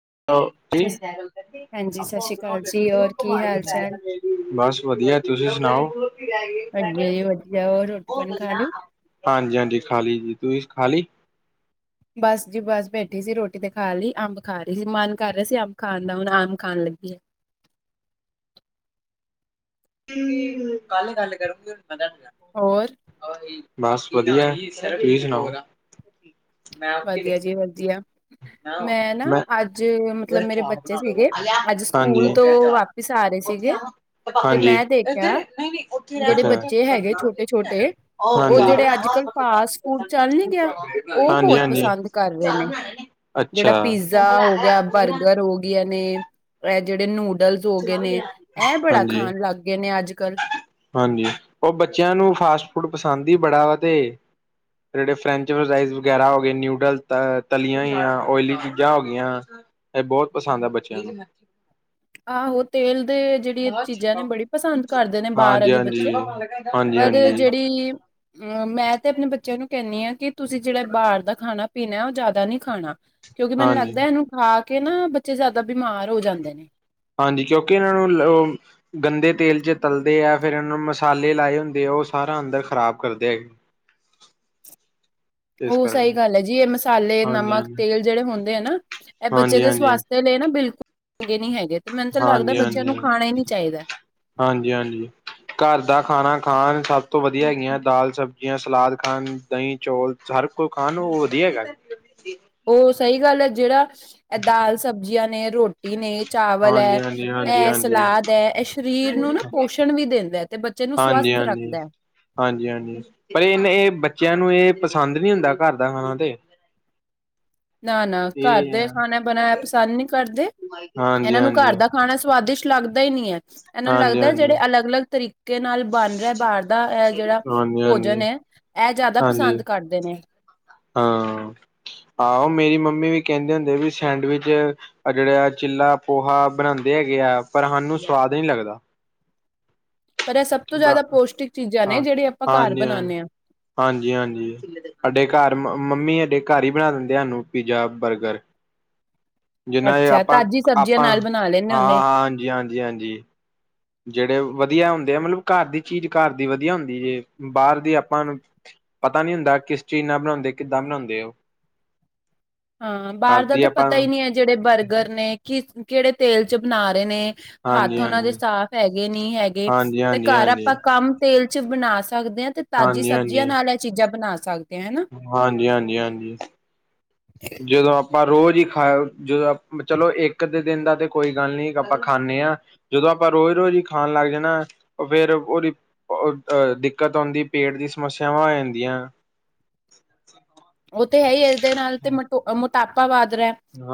[inaudible] [inaudible] ਸਸ ਹਾਂਜੀ ਸਤਿ ਸ਼੍ਰੀ ਅਕਾਲ ਜੀ ਹੋਰ ਕੀ ਹਾਲ ਚਾਲ? ਵਧੀਆ ਤੁਸੀ ਸੁਣਾਓ ਵਧੀਆ ਜੀ ਵਧੀਆ ਹੋਰ ਰੋਟੀ ਪਾਣੀ ਖਾ ਲਈ? ਹਾਂਜੀ-ਹਾਂਜੀ ਖਾਲੀ ਜੀ ਤੁਸੀ ਖਾਲੀ। ਬਸ ਜੀ ਬਸ ਬੈਠੀ ਸੀ ਰੋਟੀ ਤੇ ਖਾ ਲਈ ਅੰਬ ਖਾ ਰਹੀ ਸੀ ਮਨ ਕਰ ਰਿਹਾ ਸੀ ਅੰਬ ਖਾਣ ਦਾ ਹੁਣ ਅੰਬ ਖਾਣ ਲੱਗੀ ਆ। [inaudible] [inaudible] ਕੱਲ ਗੱਲ ਕਰੋਗੀ ਪਤਾ ਹੋਰ ਆ ਬਸ ਵਧੀਆ ਤੁਸੀ ਸੁਣਾਓ। ਵਧੀਆ ਜੀ ਵਧੀਆ ਮੈਂ ਨਾ ਅੱਜ। ਇਹਦਾ ਮਤਲਬ ਮੇਰੇ ਬੱਚੇ ਸੀਗੇ ਅੱਜ ਸਕੂਲ ਹਾਂਜੀ ਤੋਂ ਵਾਪਿਸ ਆ ਰਹੇ ਸੀਗੇ ਤੇ ਮੈਂ ਦੇ। ਦੇਖਿਆ ਹਾਂਜੀ ਜਿਹੜੇ ਅੱਛਾ ਬੱਚੇ ਹੈਗੇ ਛੋਟੇ-ਛੋਟੇ ਉਹ ਹਾਂਜੀ ਜਿਹੜੇ ਅੱਜ ਕੱਲ ਫਾਸਟ ਫੂਡ। ਚੱਲ ਨੀ ਗਿਆ ਉਹ ਹਾਂਜੀ ਬਹੁਤ ਹਾਂਜੀ ਪਸੰਦ ਕਰ ਰਹੇ ਨੇ ਜਿਹੜਾ ਅੱਛਾ ਪੀਜ਼ਾ ਹੋ ਗਿਆ ਬਰਗਰ ਹੋ ਗਈਆਂ ਨੇ ਇਹ ਜਿਹੜੇ ਨੂਡ। ਡਲ ਹੋ ਗਏ ਨੇ ਇਹ ਬੜਾ ਹਾਂਜੀ ਖਾਣ ਲੱਗ ਗਏ ਨੇ ਅੱਜ ਕੱਲ੍ਹ। ਹਾਂਜੀ ਉਹ ਬੱਚਿਆਂ ਨੂੰ ਫਾਸਟ ਫੂਡ ਪਸੰਦ ਹੀ ਬੜਾ ਵਾ ਤੇ। ਜਿਹੜੇ ਫਰੈਂਚ ਫਰਾਈਜ਼ ਵਗੈਰਾ ਹੋ ਗਏ ਨਿਊਡਲ ਤ ਤਲੀਆਂ ਹੋਈਆਂ ਓਇਲੀ ਚੀਜ਼ਾਂ ਹੋ ਗਈਆਂ। ਇਹ ਬਹੁਤ ਪਸੰਦ ਆ ਬੱਚਿਆਂ ਨੂੰ ਆਹੋ ਤੇਲ ਦੇ ਜਿਹੜੀ ਚੀਜ਼ਾਂ ਨੇ ਬੜੀ ਪਸੰਦ ਕਰਦੇ ਨੇ ਬਾਹਰ ਹਾਂਜੀ ਵਾਲੀ ਬੱਚੇ ਹਾਂਜੀ ਹਾਂਜੀ ਪਰ ਹਾਂਜੀ ਜਿਹੜੀ ਅਮ ਮੈਂ ਤੇ ਆਪਣੇ ਬੱਚਿਆਂ ਨੂੰ ਕਹਿੰਦੀ ਹਾਂ ਕਿ ਤੁਸੀਂ ਜਿਹੜਾ ਬਾਹਰ ਦਾ ਖਾਣਾ ਪੀਣਾ ਉਹ ਜ਼ਿਆਦਾ ਨਹੀਂ ਖਾਣਾ ਕਿਉਂਕਿ ਮੈਨੂੰ ਹਾਂਜੀ ਲੱਗਦਾ ਇਹਨੂੰ ਖਾ ਕੇ ਨਾ ਬੱਚੇ ਜ਼ਿਆਦਾ ਬਿਮਾਰ ਹੋ ਜਾਂਦੇ ਨੇ। ਹਾਂਜੀ ਕਿਉਂਕਿ ਇਹਨਾਂ ਨੂੰ ਉਹ ਗੰਦੇ ਤੇਲ ਚ ਤਲਦੇ ਆ ਫੇਿਰ ਇਹਨਾਂ ਨੂੰ ਮਸਾਲੇ ਲਾਏ ਹੁੰਦੇ ਆ। ਉਹ ਸਾਰਾ ਅੰਦਰ ਖ਼ਰਾਬ ਕਰਦੇ ਹੈ। ਉਹ ਸਹੀ ਗੱਲ ਹੈ ਜੀ ਇਹ ਮਸਾਲੇ ਹਾਂਜੀ ਨਮਕ ਹਾਂਜੀ ਤੇਲ ਜਿਹੜੇ ਹੁੰਦੇ ਆ ਨਾ ਇਹ ਬੱਚੇ ਹਾਂਜੀ ਦੇ ਹਾਂਜੀ ਸਵਸਥ ਲਈ ਨਾ ਬਿਲਕੁਲ। ਚੰਗੇ ਨੀ ਹੈਗੇ ਤੇ ਮੈਨੂੰ ਤਾਂ ਲੱਗਦਾ ਬੱਚਿਆਂ ਨੂੰ ਖਾਣਾ ਹੀ ਨਹੀਂ ਚਾਹੀਦਾ। ਹਾਂਜੀ-ਹਾਂਜੀ ਘਰ ਦਾ ਖਾਣਾ। ਖਾਣ ਸਭ ਤੋਂ ਵਧੀਆ ਹੈਗੀਆਂ ਦਾਲ ਸਬਜ਼ੀਆਂ ਸਲਾਦ ਖਾਣ ਦਹੀਂ ਚੌਲ ਹਰ ਕੋ ਖਾਣ ਉਹ ਵਧੀਆ। [inaudible] [inaudible] ਉਹ ਸਹੀ ਗੱਲ ਹੈ ਜਿਹੜਾ ਇਹ ਦਾਲ ਸਬਜ਼ੀਆਂ ਨੇ। ਰੋਟੀ ਨੇ ਚਾਵਲ ਹਾਂਜੀ ਹੈ ਹਾਂਜੀ ਹਾਂਜੀ ਇਹ ਹਾਂਜੀ ਸਲਾਦ ਹੈ ਇਹ ਸਰੀਰ ਨੂੰ ਨਾ ਪੋਸ਼ਣ ਵੀ ਦਿੰਦਾ ਤੇ ਤੇ ਬੱਚੇ ਨੂੰ ਸਵਸਥ ਰੱਖਦਾ ਹੈ ਹਾਂਜੀ-ਹਾਂਜੀ ਪਰ ਇਹਨ ਇਹ ਬੱਚਿਆਂ ਨੂੰ ਇਹ ਪਸੰਦ ਨੀ ਹੁੰਦਾ ਘਰ ਦਾ ਖਾਣਾ ਤੇ ਨਾ-ਨਾ ਘਰ ਇਹ ਦੇ ਆ। ਖਾਣਾ ਬਣਾਆ ਪਸੰਦ ਨਹੀਂੀ ਕਰਦੇ ਹਾਂਜੀ ਹਾਂਜੀ ਇਹਨਾਂ ਨੂੰ ਘਰ ਹਾਂਜੀ ਦਾ ਖਾਣਾ ਸਵਾਦਿਸ਼ਟ ਲੱਗਦਾ ਹੀ ਨੀ ਹੈ ਇਹਨਾਂ ਨੂੰ ਹਾਂਜੀ ਲੱਗਦਾ ਹੈ ਹਾਂਜੀ ਜਿਹੜੇ ਅਲੱਗ-ਅਲੱਗ ਤਰੀਕੇ ਨਾਲ ਬਣ ਰਿਹਾ ਬਾਹਰ ਦਾ ਇਹ ਜਿਹੜਾ ਭੋਜਨ ਹਾਂਜੀ ਹੈ ਇਹ ਜ਼ਿਆਦਾ ਹਾਂਜੀ ਪਸੰਦ ਕਰਦੇ ਨੇ ਹਾਂ ਆਹੋ ਮੇਰੀ ਮੰਮੀ ਵੀ ਕਹਿੰਦੇ ਹੁੰਦੇ ਵੀ ਸੈਂਡਵਿਚ ਜਿਹੜਾ ਚਿੱਲਾ ਪੋਹਾ ਬਣਾਉਂਦੇ ਹੈਗੇ ਪਰ ਹਾਨੂੰ ਸਵਾਦ ਨਹੀਂੀ ਲੱਗਦਾ ਪਰ ਇਹ ਸਭ ਤੋਂ ਜ਼ਿਆਦਾ ਪੋਸ਼ਟਿਕ ਚੀਜ਼ਾਂ ਨੇ ਜਿਹੜੇ ਆਪਾਂ ਘਰ ਬਣਾਉਂਦੇ ਹਾਂ ਹਾਂਜੀ-ਹਾਂਜੀ ਸਾਡੇ ਘਰ ਮੰਮੀ ਅਡੇ ਘਰ ਹੀ ਬਣਾ ਦਿੰਦੇ ਸਾਨੂੰ ਪੀਜ਼ਾ ਬਰਗਰ ਜਿੰਨਾ ਇਹ ਅੱਛਾ ਤਾਜ਼ੀ ਸਬਜ਼ੀਆਂ ਆਪਾਂ-ਆਪਾਂ ਨਾਲ ਬਣਾ ਲੈਂਦੇ ਹੁੰਦੇ ਹਾਂ-ਹਾਂ ਹਾਂਜੀ-ਹਾਂਜੀ-ਹਾਂਜੀ ਜਿਹੜੇ ਵਧੀਆ ਹੁੰਦੇ ਆ ਮਤਲਬ ਘਰ ਦੀ ਚੀਜ਼ ਘਰ ਦੀ ਵਧੀਆ ਹੁੰਦੀ ਜੇ ਬਾਹਰ ਦੀ ਆਪਾਂ ਪਤਾ ਨਹੀਂ ਹੁੰਦਾ ਕਿਸ ਚੀਜ਼ ਨਾਲ ਬਣਾਉਂਦੇ ਕਿੱਦਾਂ ਬਣਾਉਂਦੇ ਉਹ ਹਾਂ ਬਾਹਰ ਦਾ ਕਰਦੀ ਤਾਂ ਆਪਾਂ ਪਤਾ ਹੀ ਨਹੀਂ ਹੈ ਜਿਹੜੇ ਬਰਗਰ ਨੇ ਕਿ ਕਿਹੜੇ ਤੇਲ ਚ ਬਣਾ ਰਹੇ ਨੇ ਹੱਥ ਹਾਂਜੀ ਉਹਨਾਂ ਦੇ ਹਾਂਜੀ ਸਾਫ਼ ਹੈਗੇ ਨਹੀਂ ਹੈਗੇ ਹਾਂਜੀ ਤੇ ਹਾਂਜੀ ਘਰ ਹਾਂਜੀ ਆਪਾਂ ਕੰਮ ਤੇਲ ਚ ਬਣਾ ਸਕਦੇ ਤੇ ਤਾਜ਼ੀ ਹਾਂਜੀ ਸਬਜ਼ੀਆਂ ਹਾਂਜੀ ਨਾਲ ਇਹ ਚੀਜ਼ਾਂ ਬਣਾ ਸਕਦੇ ਹਾਂ ਹਨਾ ਹਾਂਜੀ- ਹਾਂਜੀ- ਹਾਂਜੀ ਜਦੋਂ ਆਪ ਆਪਾਂ ਰੋਜ਼ ਹੀ ਖਾ ਜਦੋਂ ਚਲੋ ਇੱਕ ਦੇ ਦਿਨ ਦਾ ਤੇ ਕੋਈ ਗੱਲ ਨੀ ਆਪਾਂ ਖਾਂਦੇ ਹਾਂ ਜਦੋਂ ਆਪਾਂ ਰੋਜ਼ ਰੋਜ਼ ਹੀ ਖਾਣ ਲੱਗ ਜਾਣਾ ਫੇਰ ਉਹ ਦੀਹ ਦਿੱਕਤ ਆਉਂਦੀ ਪੇਟ ਦੀ ਸਮੱਸਿਆ ਸਮੱਸਿਆਵਾਂ ਹੋ ਜਾਂਦੀਆਂ ਉਹ ਤੇ ਹੈ ਹੀ ਇਸਦੇ ਨਾਲ ਤੇ ਮੋਟਾਪਾ ਵਦ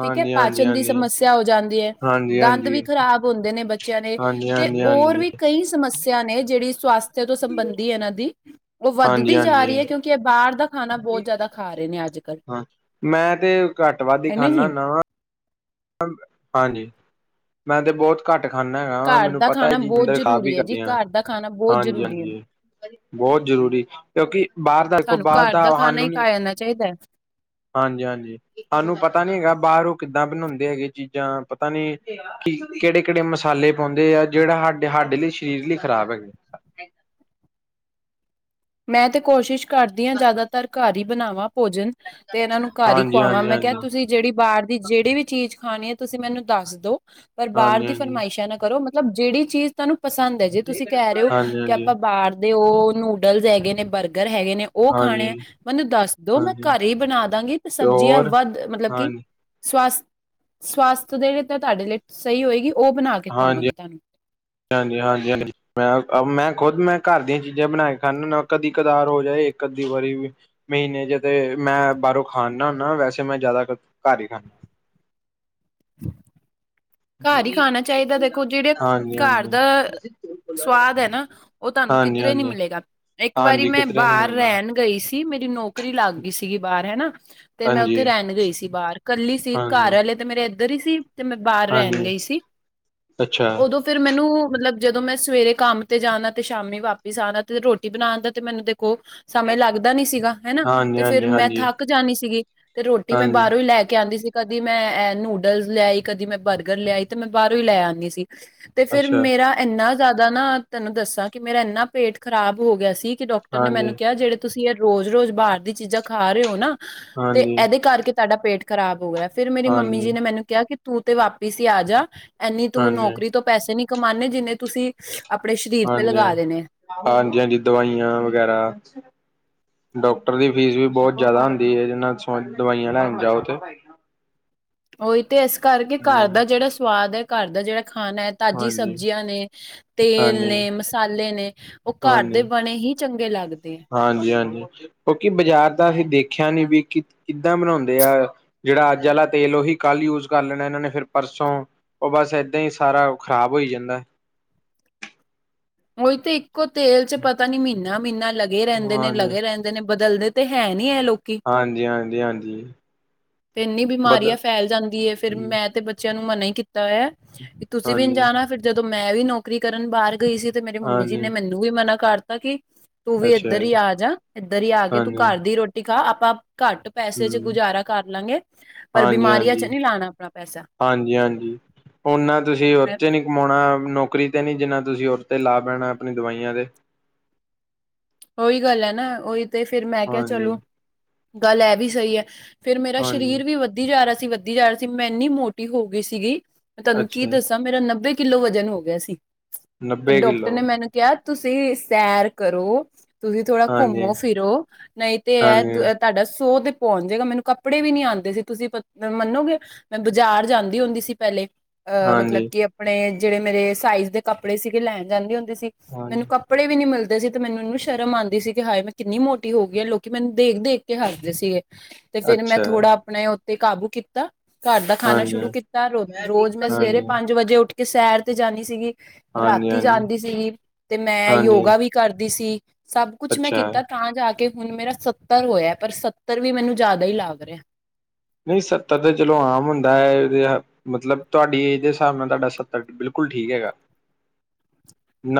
ਠੀਕ ਹੈ ਹਾਂਜੀ ਪਾਚਨ ਦੀ ਹਾਂਜੀ ਸਮੱਸਿਆ ਹੋ ਜਾਂਦੀ ਹੈ ਹਾਂਜੀ ਦੰਦ ਵੀ ਹਾਂਜੀ ਖ਼ਰਾਬ ਹੁੰਦੇ ਨੇ ਬੱਚਿਆਂ ਦੇ ਹਾਂਜੀ ਹਾਂਜੀ ਤੇ ਹੋਰ ਹਾਂਜੀ ਵੀ ਕਈ ਸਮੱਸਿਆ ਨੇ ਜਿਹੜੀ ਸਵਾਸਥ ਤੋਂ ਸੰਬੰਧੀ ਇਹਨਾਂ ਦੀ ਉਹ ਹਾਂਜੀ ਵੱਧਦੀ ਜਾ ਰਹੀ ਹੈ ਹਾਂਜੀ ਕਿਉਂਕਿ ਇਹ ਬਾਹਰ ਦਾ ਖਾਣਾ ਬਹੁਤ ਜ਼ਿਆਦਾ ਖਾ ਰਹੇ ਨੇ ਅੱਜ ਕੱਲ੍ਹ ਹਾਂ ਮੈਂ ਤੇ ਘੱਟ ਵੱਧ ਹੀ ਹੈ ਨਾ ਖਾਂਦਾ ਜੀ ਹੁੰਨਾ ਵ ਹਾਂਜੀ ਮੈਂ ਤੇ ਬਹੁਤ ਘੱਟ ਖਾਨਾ ਹੈਗਾ ਵਾਂ ਘਰ ਮੈਨੂੰ ਦਾ ਪਤਾ ਇਹ ਖਾਣਾ ਬਹੁਤ ਚੀਜ਼ਾਂ ਵੀ ਜ਼ਰੂਰੀ ਹੈ ਜੀ ਕਦੀਆਂ ਘਰ ਦਾ ਖਾਣਾ ਬਹੁਤ ਹਾਂਜੀ ਜ਼ਰੂਰੀ ਹੈ ਹਾਂਜੀ ਬਹੁਤ ਜ਼ਰੂਰੀ ਕਿਉਂਕਿ ਬਾਹਰ ਦਾ ਦੇਖੋ ਸਾਨੂੰ ਬਾਹਰ ਘਰ ਦਾ ਖਾਣਾ ਸਾਨੂੰ ਹੀ ਨੀ ਖਾ ਜਾਣਾ ਚਾਹੀਦਾ ਹੈ ਹਾਂਜੀ ਹਾਂਜੀ ਸਾਨੂੰ ਪਤਾ ਨੀ ਹੈਗਾ ਬਾਹਰ ਉਹ ਕਿੱਦਾਂ ਬਣਾਉਂਦੇ ਹੈਗੇ ਚੀਜ਼ਾਂ ਪਤਾ ਨੀ ਕਿ ਕਿਹੜੇ ਕਿਹੜੇ ਮਸਾਲੇ ਪਾਉਂਦੇ ਆ ਜਿਹੜਾ ਸਾਡੇ ਸਾਡੇ ਲਈ ਸਰੀਰ ਲਈ ਖ਼ਰਾਬ ਹੈਗੇ [inaudible] ਮੈਂ ਤੇ ਕੋਸ਼ਿਸ਼ ਕਰਦੀ ਹਾਂ ਜ਼ਿਆਦਾਤਰ ਘਰ ਹੀ ਬਣਾਵਾਂ ਭੋਜਨ ਤੇ ਇਹਨਾਂ ਨੂੰ ਘਰ ਹੀ ਹਾਂਜੀ ਖੁਆਵਾਂ ਹਾਂਜੀ ਮੈਂ ਕਿਹਾ ਹਾਂਜੀ ਤੁਸੀਂ ਜਿਹੜੀ ਬਾਹਰ ਦੀ ਜਿਹੜੀ ਵੀ ਚੀਜ਼ ਖਾਣੀ ਹੈ ਤੁਸੀਂ ਮੈਨੂੰ ਦੱਸ ਦੋ ਪਰ ਬਾਹਰ ਹਾਂਜੀ ਦੀ ਹਾਂਜੀ ਫਰਮਾਇਸ਼ਾਂ ਨਾ ਕਰੋ ਮਤਲਬ ਜਿਹੜੀ ਚੀਜ਼ ਤੁਹਾਨੂੰ ਪਸੰਦ ਹੈ ਜੇ ਤੁਸੀਂ ਕਹਿ ਰਹੇ ਹੋ ਹਾਂਜੀ ਕਿ ਹਾਂਜੀ ਆਪਾਂ ਬਾਹਰਦੇ ਹੋ ਨੁ ਨੂਡਲ ਹੈਗੇ ਨੇ ਬਰਗਰ ਹੈਗੇ ਨੇ ਉਹ ਹਾਂਜੀ ਖਾਣੇ ਆ ਮੈਨੂੰ ਦੱਸ ਦੋ ਮੈਂ ਹਾਂਜੀ ਘਰ ਹੀ ਬਣਾ ਦਵਾਂਗੀ ਤੇ ਸਬਜ਼ੀਆਂ ਵੱਧ ਮਤਲਬ ਕਿ ਹਾਂਜੀ ਸਵਾਸ ਸਵਾਸਥ ਦੇ ਲਈ ਤਾਂ ਤੁਹਾਡੇ ਲਈ ਸਹੀ ਹੋਏਗੀ ਉਹ ਬਣਾ ਕੇ ਹਾਂਜੀ- ਖਵਾਵਾਂਗੇ ਤੁਹਾਨੂੰ ਹਾਂਜੀ -ਹਾਂਜੀ -ਹਾਂਜੀ ਮੈਂ ਮੈਂ ਖੁਦ ਮੈਂ ਘਰ ਦੀਆਂ ਚੀਜ਼ਾਂ ਬਣਾ ਕੇ ਖਾਦਾ ਹੁੰਨਾ ਕਦੀ ਕਦਾਰ ਹੋੋ ਜਾਏ ਇੱਕ ਅੱਧੀ ਵਾਰੀ ਮਹੀਨੇ ਚ ਤੇ ਮੈਂ ਬਾਹਰੋਂ ਖਾਣ ਨਾ ਹੁੰਦਾ ਵੈਸੇ ਮੈਂ ਜ਼ਿਆਦਾ ਘਰ ਹੀ ਖਾਂਦਾ ਹ [inaudible] ਘਰ ਹੀ ਖਾਣਾ ਚਾਹੀਦਾ ਦੇਖੋ ਜਿਹੜੇ ਹਾਂਜੀ ਘਰ ਹਾਂਜੀ ਦਾ ਸਵਾਦ ਹੈ ਨਾ ਉਹ ਤੁਹਾਨੂੰ ਹਾਂਜੀ ਕਿੱਧਰੇ ਨੀ ਹਾਂਜੀ ਮਿਲੇਗਾ, ਇੱਕ ਵਾਰੀ ਹਾਂਜੀ ਮੈਂ ਕਿਧਰੇ ਨੀ ਬਾਹਰ ਮਿਲਣਾ ਰਹਿਣ ਗਈ ਸੀ, ਮੇਰੀ ਨੌਕਰੀ ਲੱਗ ਗਈ ਸੀਗੀ ਬਾਹਰ ਰਹਿ ਹਨਾ ਤੇ ਮੈਂ ਉੱਥੇ ਹਾਂਜੀ ਰਹਿਣ ਗਈ ਸੀ, ਬਾਹਰ ਕੱਲੀ ਸੀ ਹਾਂਜੀ ਘਰ ਵਾਲੇ ਤੇ ਮੇਰੇ ਉੱਧਰ ਹੀ ਸੀ ਤੇ ਮੈਂ ਬਾਹਰ ਰਹਿਣ ਹਾਂਜੀ ਗਈ ਸੀ, ਅੱਛਾ ਉਦੋਂ ਫਿਰ ਮੈਨੂੰ ਮਤਲਬ ਜਦੋਂ ਮੈਂ ਸਵੇਰੇ ਕੰਮ ਤੇ ਜਾਣਾ ਤੇ ਸ਼ਾਮੀ ਵਾਪਿਸ ਆਣਾ ਤੇ ਰੋਟੀ ਬਣਾਉਣ ਦਾ ਤੇ ਮੈਨੂੰ ਦੇਖ ਸਮੇਂ ਲੱਗਦਾ ਨੀ ਸੀਗਾ ਹਨਾ, ਹਾਂਜੀ ਤੇ ਫੇਰ ਹਾਂਜੀ ਮੈਂ ਹਾਂਜੀ ਥੱਕ ਜਾਣੀ ਸੀਗੀ ਤੇ ਰੋਟੀ ਮੈਂ ਹਾਂਜੀ ਬਾਹਰੋਂ ਹੀ ਲੈ ਲੈ ਕੇ ਆਦੀ ਸੀ ਕਦੀ ਮੈਂ ਨੂਡਲਸ ਲਿਆਈ ਕਦੀ ਮੈਂ ਬਰਗਰ ਲਿਆਈ ਤੇ ਮੈਂ ਬਾਹਰੋਂ ਹੀ ਲੈ ਆਦੀ ਸੀ ਤੇ ਫੇਰ ਅੱਛਾ ਮੇਰਾ ਇੰਨਾ ਜ਼ਿਆਦਾ ਨਾ ਤੈਨੂੰ ਦੱਸਾਂ, ਕਿ ਮੇਰਾ ਇੰਨਾ ਪੇਟ ਖ਼ਰਾਬ ਹੋ ਗਿਆ ਸੀ ਕਿ ਡਾਕਟਰ ਨੇ ਹਾਂਜੀ ਮੈਨੂੰ ਕਿਹਾ, ਜਿਹੜੇ ਤੁਸੀਂ ਰੋਜ਼-ਰੋਜ਼ ਬਾਹਰ ਦੀ ਚੀਜ਼ਾਂ ਖਾ ਰਹੇ ਹੋ ਨਾ ਤੇ ਹਾਂਜੀ ਇਹਦੇ ਕਰਕੇ ਤੁਹਾਡਾ ਪੇਟ ਖਰਾਬ ਹੋ ਗਿਆ, ਫਿਰ ਮੇਰੀ ਮੰਮੀ ਹਾਂਜੀ ਜੀ ਨੇ ਮੈਨੂੰ ਕਿਹਾ ਕਿ ਤੂੰ ਤੇ ਵਾਪ ਵੀ ਸੀ ਆ ਜਾ ਇਨੀ ਤੂੰ ਹਾਂਜੀ ਨੌਕਰੀ ਤੋਂ ਪੈਸੇ ਨੀ ਕਮਾਨੇ ਜਿੰਨੇ ਤੁਸੀਂ ਆਪਣੇ ਸਰੀਰ ਤੇ ਲਗਾ ਦੇਣੇ। ਹਾਂਜੀ-ਹਾਂਜੀ-ਹਾਂਜੀ ਦਵਾਈਆਂ ਵਗੈਰਾ ਡਾਕਟਰ ਦੀ ਫ਼ੀਸ ਵੀ ਬਹੁਤ ਜ਼ਿਆਦਾ ਹੁੰਦੀ ਹੈ, ਇਹ ਨਾਲ ਦਵਾਈਆਂ ਲੈਣ ਜਾਓ ਉੱਥੇ ਉਹੀ ਤੇ ਇਸ ਕਰਕੇ ਘਰ ਦਾ ਜਿਹੜਾ ਸਵਾਦ ਹੈ, ਘਰ ਦਾ ਜਿਹੜਾ ਖਾਣਾ ਹੈ ਤਾਜ਼ੀ ਹਾਂਜੀ ਸਬਜ਼ੀਆਂ ਨੇ ਤੇਲ ਹਾਂਜੀ ਨੇ ਮਸਾਲੇ ਨੇ ਉਹ ਘਰ ਦੇ ਬਣੇ ਹੀ ਚੰਗੇ ਲੱਗਦੇ। ਹੈ। ਹਾਂਜੀ-ਹਾਂਜੀ, ਕਿਉਂਕਿ ਬਾਜ਼ਾਰ ਤਾਂ ਅਸੀਂ ਦੇਖਿਆ ਨੀ, ਵੀ ਕਿ ਕਿੱਦਾਂ ਬਣਾਦੇ ਆ ਜਿਹੜਾ ਅੱਜ ਵਾਲਾ ਤੇਲ ਉਹੀ ਕੱਲ੍ਹ ਯੂਜ ਕਰ ਲੈਣਾ ਇਹਨਾਂ ਨੇ ਫਿਰ ਪਰਸੋਂ ਉਹ ਬਸ ਏਦਾਂ ਹੀ ਸਾਰਾ ਖ਼ਰਾਬ ਹੋਈ ਜਾਂਦਾ [inaudible] ਉਹੀ ਤੇ ਇੱਕੋ ਤੇਲ ਚ ਪਤਾ ਨੀ ਮਹੀਨਾ ਮਹੀਨਾ ਲੱਗੇ ਰਹਿੰਦੇ, ਨੇ ਹਾਂਜੀ ਲਗੇ ਰਹਿੰਦੇ ਨੇ ਬਦਲਦੇ ਤੇ ਹੈ, ਨੀ ਹੈ ਲੋਕ ਹਾਂਜੀ, ਹਾਂਜੀ, ਹਾਂਜੀ ਤੇ ਇੰਨੀ ਬਦ ਬਿਮਾਰੀਆਂ ਫੈਲ ਜਾਂਦੀ ਹੈ, ਫਿਰ ਮੈਂ ਤੇ ਬੱਚਿਆਂ ਨੂੰ ਮਨਾ ਹੀ ਕੀਤਾ ਕੀਤਾ ਹੈ ਵੀ ਤੁਸੀਂ ਵੀ ਨਹੀਂ ਹਾਂਜੀ ਜਾਣਾ ਫਿਰ ਜਦੋਂ ਮੈਂ ਵੀ ਨੌਕਰੀ ਕਰਨ ਬਾਹਰ ਗਈ ਸੀ ਤੇ ਮੇਰੀ ਮੰਮੀ ਜੀ ਨੇ ਹਾਂਜੀ ਮੈਨੂੰ ਵੀ ਮਨਾ ਕਰਤਾ ਕਿ ਤੂੰ ਵੀ ਇੱਧਰ ਅੱਛਾ ਹੀ ਜੀ ਆ ਜਾ ਇੱਧਰ ਹੀ ਆ ਕੇ ਤੂੰ ਹਾਂਜੀ ਘਰ ਦੀ ਰੋਟੀ ਖਾ ਆਪਾਂ ਘੱਟ ਪੈਸੇ ਚ ਹਮ ਗੁਜ਼ਾਰਾ ਕਰ ਲਾਂਗੇ, ਪਰ ਹਾਂਜੀ ਬਿਮਾਰੀਆਂ ਚ ਹਾਂਜੀ ਨਹੀਂ ਲਾਣਾ ਆਪਣਾ ਪੈਸਾ ਹਾਂਜੀ-ਹਾਂਜੀ। ਓਨਾ ਤੁਸੀਂ ਉਹ ਚ ਨੀ ਕਮਾਉਣਾ ਨੌਕਰੀ ਤੇ ਨੀ ਜਿੰਨਾ ਤੁਸੀਂ ਔਤੇ ਲਾ ਪੈਣਾ ਆਪਣੀ ਦਵਾਈਆਂ ਦੇ ਉਹੀ ਗੱਲ ਹੈ ਨਾ ਉਹੀ ਤੇ ਫਿਰ ਮੈਂ ਕਿਹਾ ਚਲੋ, ਹਾਂਜੀ-ਹਾਂਜੀ ਗੱਲ ਇਹ ਵੀ ਸਹੀ ਹੈ ਫੀਰ ਮੇਰਾ ਸਰੀਰ ਵੀ ਵੱਧਦੀ ਜਾ ਰਿਹਾ ਸੀ, ਵੱਧਦੀ ਜਾ ਰਿਹਾ ਸੀ ਮੈਂ ਇੰਨੀ ਮੋਟੀ ਹੋ ਗਈ ਸੀਗੀ। ਮੈਂ ਤੁਹਾਨੂੰ ਅੱਛਾ ਕੀ ਜੀ, ਦੱਸਾਂ ਮੇਰਾ ਨੱਬੇ ਕਿੱਲੋ ਵਜ਼ਨ ਹੋ ਗਿਆ ਸੀ, ਤੇ ਨੱਬੇ ਡਾਕਟਰ ਕਿੱਲੋ ਨੇ ਮੈਨੂੰ ਕਿਹਾ ਤੁਸੀਂ ਸੈਰ ਕਰੋ ਤੁਸੀਂ ਥੋੜਾ ਹਾਂਜੀ। ਘੁੰਮੋ ਫਿਰੋ ਨਹੀਂ ਤੇ ਇਹ ਹਾਂਜੀ-ਹਾਂਜੀ, ਤੁਹਾਡਾ ਸੋ ਪਹੁੰਚ ਜੇਗਾ ਮੈਨੂੰ ਕੱਪੜੇ ਵੀ ਨੀ ਆਦੇ ਸੀ ਤੁਸੀਂ ਮੰਨੋਗੇ ਮੈਂ ਬਾਜ਼ਾਰ ਜਾਂਦੀ ਹੁੰਦੀ ਸੀ ਪਹਿਲੇ ਅਹ ਹਾਂਜੀ ਮਤਲਬ ਕਿ ਆਪਣੇ ਜਿਹੜੇ ਮੇਰੇ ਸਾਈਜ਼ ਦੇ ਕੱਪੜੇ ਸੀਗੇ, ਲੈਣ ਜਾਂਦੇ ਹੁੰਦੇ ਸੀ ਮੈਨੂੰ ਕੱਪੜੇ ਵੀ ਨੀ ਮਿਲਦੇ ਸੀ, ਤੇ ਮੈਨੂੰ ਉਹਨੂੰ ਸ਼ਰਮ ਆਉਂਦੀ ਸੀ, ਕਿ ਹਾਏ ਮੈਂ ਕਿੰਨੀ ਮੋਟੀ ਹੋ ਗਈ ਹੈ ਲੋਕੀ ਮੈਨੂੰ ਦੇਖ ਦੇਖ ਕੇ ਹਰਦੇ ਸੀਗੇ ਤੇ ਫਿਰ ਮੈਂ ਅੱਛਾ ਥੋੜ੍ਹਾ ਆਪਣੇ ਉੱਥਤੇ ਕਾਬੂ ਕੀਤਾ ਘਰ ਦਾ ਖਾਣਾ ਹਾਂਜੀ। ਸ਼ੁਰੂ ਕੀਤਾ ਰੋ ਰੋਜ਼ ਮੈਂ ਸਵੇਰੇ ਪੰਜ ਵਜੇ ਉੱਠ ਕੇ ਸੈਰ ਤੇ ਜਾਨੀ ਸੀਗੀ। ਰਾਤੀ ਹਾਂਜੀ-ਹਾਂਜੀ-ਹਾਂਜੀ-ਹਾਂਜੀ ਜਾਂਦੀ ਸੀਗੀ, ਤੇ ਮੈਂ ਯੋਗਾ ਵੀ ਕਰਦੀ ਸੀ। ਸਭ ਕੁਛ ਮੈਂ ਅੱਛਾ ਕੀਤਾ ਤਾਂ ਜਾ ਕੇ ਹੁਣ ਮੇਰਾ ਸੱਤਰ ਹੋਇਆ, ਪਰ ਸੱਤਰ ਵੀ ਮੈਨੂੰ ਜ਼ਿਆਦਾ ਹੀ ਲੱਗ ਰਿਹਾ ਨਹੀਂ ਸੱਤਰ ਤੇ ਚਲੋ ਆਮ ਹੁੰਦਾ ਹੈ, ਮਤਲਬ ਤੁਹਾਡੀ ਏਜ ਦੇ ਹਿਸਾਬ ਨਾਲ ਤੁਹਾਡਾ ਸੱਤਰ ਬਿਲਕੁਲ ਬਿਲਕੁਲ ਠੀਕ ਹੈਗਾ,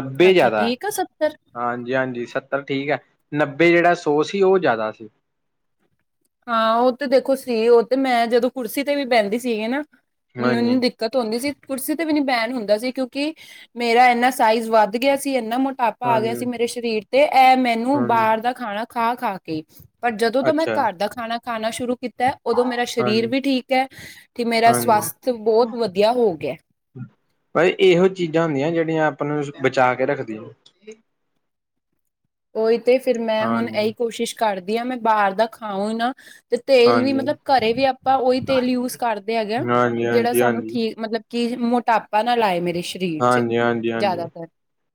ਨੱਬੇ ਅੱਛਾ ਜ਼ਿਆਦਾ ਠੀਕ ਆ ਸੱਤਰ ਹਾਂਜੀ, ਹਾਂਜੀ ਸੱਤਰ ਠੀਕ ਹੈ, ਨੱਬੇ ਜਿਹੜਾ ਸੌ ਸੀ ਉਹ ਜ਼ਿਆਦਾ ਸੀ ਹਾਂ ਉਹ ਤੇ ਦੇਖੋ ਸੀ ਉਹ ਤੇ ਮੈਂ ਜਦੋਂ ਕੁਰਸੀ ਤੇ ਵੀ ਪਹਿੰਦੀ ਸੀਗੀ ਨਾ ਮੈਨੂੰ ਇਨੂੰ ਦਿੱਕਤ ਆਉਂਦੀ ਸੀ ਕੁਰਸੀ ਤੇ ਵੀ ਨੀ ਬੈਨ ਹੁੰਦਾ ਸੀ, ਕਿਉਂਕਿ ਮੇਰਾ ਇਨਾ ਸਾਈਜ਼ ਵੱਧ ਗਿਆ ਸੀ ਇੰਨਾ ਮੋਟਾਪਾ ਆ ਗਿਆ ਸੀ ਹਾਂਜੀ-ਹਾਂਜੀ-ਹਾਂਜੀ। ਮੇਰੇ ਸਰੀਰ ਤੇ ਇਹ ਮੈਨੂੰ ਬਾਹਰ ਦਾ ਖਾਣਾ ਖਾ ਖਾ ਕੇ ਪਰ ਜਦੋਂ ਤੋਂ ਮੈਂ ਅੱਛਾ ਘਰ ਦਾ ਖਾਣਾ ਖਾਨਾ ਸ਼ੁਰੂ ਕੀਤਾ। ਹੈ ਉਦੋਂ ਮੇਰਾ ਸਰੀਰ ਹਾਂਜੀ ਵੀ ਠੀਕ ਹੈ, ਤੇ ਮੇਰਾ ਸਵਸਥ ਬਹੁਤ ਵਧੀਆ ਹੋ ਗਿਆ ਬਸ ਇਹੋ ਚੀਜ਼ਾਂ ਹੁੰਦੀਆਂ, ਜਿਹੜੀਆਂ ਆਪਾਂ ਨੂੰ ਬਚਾ ਕੇ ਰੱਖਦੀਆਂ ਓਹੀ ਤੇ ਫੇਰ ਮੈਂ ਹੁਣ ਹਾਂਜੀ ਇਹੀ ਕੋਸ਼ਿਸ਼ ਕਰਦੀ ਹਾਂ, ਮੈਂ ਬਾਹਰ ਦਾ ਖਾਊ ਨਾ ਤੇ ਤੇਲ ਵੀ ਹਾਂਜੀ ਮਤਲਬ ਘਰੇ ਵੀ ਆਪਾਂ ਉਹੀ ਤੇਲ ਯੂਜ ਕਰਦੇ ਹੈਗੇ ਆ, ਹਾਂਜੀ ਹਾਂਜੀ ਜਿਹੜਾ ਸਾਨੂੰ ਹਾਂਜੀ ਠੀਕ ਮਤਲਬ ਕੀ ਮੋਟਾਪਾ ਨਾਲ ਆਏ ਮੇਰੇ ਸਰੀਰ ਚ ਹਾਂਜੀ, ਹਾਂਜੀ, ਹਾਂਜੀ ਜ਼ਿਆਦਾਤਰ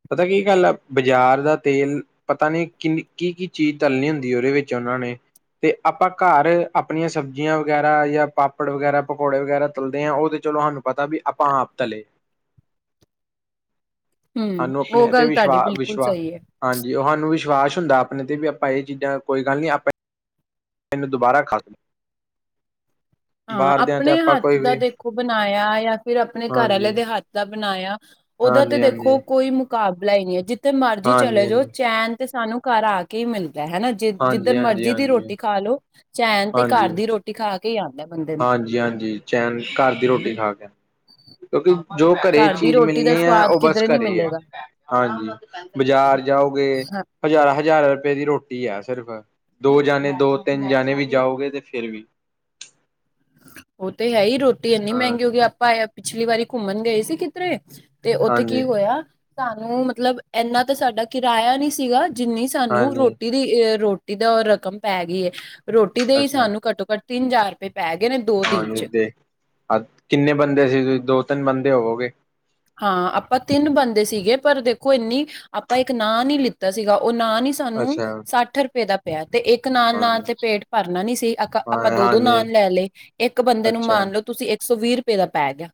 ਪਤਾ ਕੀ ਗੱਲ ਆ ਬਜ਼ਾਰ ਦਾ ਤੇਲ ਪਤਾ ਨਹੀਂ ਕਿੰਨੀ ਕੀ, ਕੀ ਚੀਜ਼ ਤਲੀ ਹੁੰਦੀ ਉਹਦੇ ਵਿੱਚ ਉਹਨਾਂ ਨੇ ਤੇ ਆਪਾਂ ਘਰ ਆਪਣੀਆਂ ਸਬਜ਼ੀਆਂ ਵਗੈਰਾ ਜਾਂ ਪਾਪੜ ਵਗੈਰਾ ਪਕੌੜੇ ਵਗੈਰਾ ਤਲਦੇ ਹਾਂ ਉਹਦੇ ਚਲੋ ਸਾਨੂੰ ਪਤਾ ਵੀ ਆਪਾਂ ਆਪ ਤਲੇ ਹਮ ਸਾਨੂੰ ਉਹ ਆਪਣੇ ਗੱਲ ਤੁਹਾਡੀ ਬਿਲਕੁਲ ਵਿਸ਼ਵ-ਵਿਸ਼ਵਾ ਸਹੀ ਹੈ ਹਾਂਜੀ ਉਹ ਸਾਨੂੰ ਵਿਸ਼ਵਾਸ ਹੁੰਦਾ ਆਪਣੇ ਤੇ ਵੀ ਆਪਾਂ ਇਹ ਚੀਜ਼ਾਂ ਕੋਈ ਗੱਲ ਨੀ ਆਪਾਂ ਅਨੂੰ ਦੁਬਾਰਾ ਖਾਸ ਲਓ। ਹਾਂ ਆਪਣੇ ਹੱਥ ਦਾ ਦੇਖੋ ਬਣਾਇਆ, ਯਾਂ ਫਿਰ ਆਪਣੇ ਘਰ ਹਾਂਜੀ, ਵਾਲੇ ਦੇ ਹੱਥ ਦਾ ਬਣਾਇਆ ਉਹਦਾ ਤੇ ਹਾਂਜੀ, ਹਾਂਜੀ, ਦੇਖੋ ਕੋਈ ਮੁਕਾਬਲਾ ਹੀ ਨਹੀਂ ਹੈ, ਜਿੱਥੇ ਮਰਜ਼ੀ ਚਲੇ ਹਾਂਜੀ, ਜਾਓ ਹਾਂਜੀ। ਚੈਨ ਤੇ ਸਾਨੂੰ ਘਰ ਆ ਕੇ ਹੀ ਮਿਲਦਾ ਹਨਾ, ਜੇ ਹਾਂਜੀ, ਜਿੱਧਰ ਹਾਂਜੀ, ਮਰਜ਼ੀ ਦੀ ਹਾਂਜੀ, ਰੋਟੀ ਖਾ ਲਓ ਚੈਨ ਤੇ ਹਾਂਜੀ, ਘਰ ਦੀ ਰੋਟੀ ਖਾ ਕੇ ਆਂਦਾ। ਹਾਂਜੀ, ਹਾਂਜੀ ਚੈਨ ਘਰ ਦੀ ਰੋਟੀ ਖਾ ਕੇ ਕਿਉਂਕਿ ਜੋ ਘਰੇ ਘਰ ਦੀ ਚੀਜ਼ ਰੋਟੀ ਦਾ ਮਿਲਣੀ ਹੈ, ਸਵਾਦ ਉਹ ਬਸ ਕਿਧਰੇ ਨੀ ਘਰੇ ਹੀ ਹੈ ਮਿਲੇਗਾ ਹਾਂਜੀ ਬਾਜ਼ਾਰ ਜਾਓਗੇ। ਹਾਂ ਹਜ਼ਾਰਾਂ-ਹਜ਼ਾਰਾ, ਰੁਪੇ ਦੀ ਰੋਟੀ ਹੈ ਸਿਰਫ ਦੋ ਜਾਣੇ ਦੋ ਤਿੰਨ ਜਾਣੇ ਵੀ ਜਾਓਗੇ, ਤੇ ਫਿਰ ਵੀ ਉਹ ਤੇ ਹੈ ਹੀ ਰੋਟੀ ਇੰਨੀ ਹਾਂ ਮਹਿੰਗੀ ਹੋ ਗਈ, ਆਪਾਂ ਏ ਪਿਛਲੀ ਵਾਰੀ ਘੁੰਮਣ ਗਏ ਸੀ ਕਿਧਰੇ ਤੇ ਉੱਥੇ ਕੀ ਹਾਂਜੀ, ਹੋਇਆ, ਸਾਨੂੰ ਮਤਲਬ ਇੰਨਾ ਤਾਂ ਸਾਡਾ ਕਿਰਾਇਆ ਨਹੀ ਸੀਗਾ। ਜਿੰਨੀ ਸਾਨੂੰ ਹਾਂਜੀ। ਰੋਟੀ ਦੀ ਅ ਰੋਟੀ ਦਾ ਰਕਮ ਪੈ ਗਈ ਹੈ, ਰੋਟੀ ਦੇ ਹੀ ਅੱਛਾ ਸਾਨੂੰ ਘੱਟੋ ਘੱਟ ਤਿੰਨ ਜਾਰ ਰੁਪਏ ਪੈ ਗਏ ਨੇ, ਦੋ ਦਿਨ ਹਾਂਜੀ ਚ ਤੇ ਕਿੰਨੇ ਬੰਦੇ ਸੀ, ਤੁਸੀਂ ਦੋ ਤਿੰਨ ਬੰਦੇ ਹੋਵੋਗੇ। ਹਾਂ ਆਪਾਂ ਤਿੰਨ ਬੰਦੇ ਸੀਗੇ ਪਰ ਦੇਖੋ, ਇੰਨੀ ਆਪਾਂ ਇੱਕ ਨਾਂਣ ਹੀ ਲਿੱਤਾ ਸੀਗਾ ਉ ਉਹ ਨਾਣ ਹੀ ਸਾਨੂੰ ਅੱਛਾ। ਸੱਠ ਰੁਪਏ ਦਾ ਪਿਆ ਤੇ ਇੱਕ ਨਾਣ ਹਾਂ, ਨਾਲ ਤੇ ਪੇਟ ਭਰਨਾ ਨੀ ਸੀ, ਅਗਾ ਹਾਂ ਆਪਾਂ ਦੋ ਉਦੋ ਹਾਂਜੀ ਨਾਣ ਲੈ ਲਏ ਇੱਕ ਬੰਦੇ ਨੂੰ ਅੱਛਾ ਮੰਨ ਲਓ, ਤੁਸੀਂ ਇੱਕ ਸੌ ਵੀਹ ਰੁਪਏ ਦਾ ਪੈ ਗਿਆ।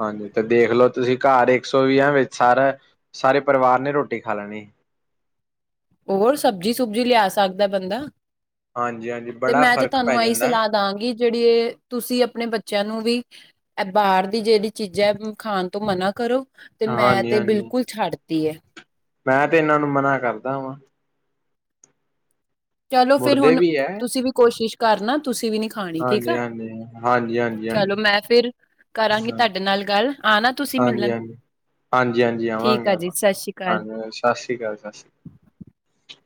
ਹਾਂਜੀ ਤੇ ਦੇਖਲਓ, ਤੁਸੀਂ ਘਰ ਇੱਕ ਸੌ ਵੀਹਾਂ ਵਿੱਚ ਸਾਰਾ ਸਾਰੇ ਪਰਿਵਾਰ ਨੇ ਰੋਟੀ ਖਾ ਲੈਣੀ। [inaudible] ਹੋਰ ਸਬਜ਼ੀ ਸੁਬਜੀ ਲਿਆ ਸਕਦਾ ਬੰਦਾ, ਹਾਂਜੀ ਹਾਂ, ਤੇ ਮੈਂ ਤੇ ਤੁਹਾਨੂੰ ਇਹੀ ਸਲਾਹ ਦਾਂਗੀ, ਜਿਹੜੀ ਤੁਸੀਂ ਆਪਣੇ ਬੱਚਿਆਂ ਨੂੰ ਵੀ ਇਹ ਬਾਹਰ ਦੀ ਜਿਹੜੀ ਚੀਜ਼ਾਂ ਹੈ, ਖਾਣ ਤੋਂ ਮਨਾ ਕਰੋ ਤੇ ਮੈਂ ਤੇ ਹਾਂਜੀ-ਹਾਂਜੀ ਬਿਲਕੁਲ ਛੱਡ ਤੀ ਤੀ ਹੈ, ਮੈਂ ਤੇ ਇਹਨਾਂ ਨੂੰ ਮਨਾ ਕਰਦਾ ਵਾਂ, ਚਲੋ ਫਿਰ ਮੁੜਦੇ ਹੁਣ ਵੀ ਐ ਤੁਸੀਂ ਵੀ ਕੋਸ਼ਿਸ਼ ਕਰਨਾ ਤੁਸੀਂ ਵੀ ਨਹੀ ਖਾਣੀ ਠੀਕ ਆ ਹਾਂਜੀ-ਹਾਂਜੀ, ਹਾਂਜੀ-ਹਾਂਜੀ, ਚਲੋ, ਹਾਂਜੀ, ਮੈਂ ਫਿਰ ਕਰਾਂਗੀ ਤੁਹਾਡੇ ਨਾਲ ਗੱਲ ਆ ਨਾ ਤੁਸੀਂ ਮਿਲਣ, ਹਾਂਜੀ-ਹਾਂਜੀ। ਹਾਂਜੀ-ਹਾਂਜੀ ਠੀਕ ਆਵਾਂਗੇ ਆ ਜੀ ਆਵਾਂਗੇ, ਸਤਿ ਸ਼੍ਰੀ ਅਕਾਲ ਹਾਂ ਸਤਿ ਸ੍ਰੀ ਅਕਾਲ ਸਤਿ ਸ੍ਰੀ ਅਕਾਲ